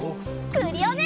クリオネ！